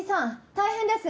大変です！